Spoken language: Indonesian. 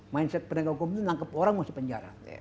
mindset penegak hukum ini menangkap orang masuk penjara